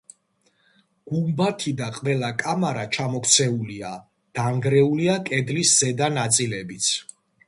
გუმბათი და ყველა კამარა ჩამოქცეულია, დანგრეულია კედლის ზედა ნაწილებიც.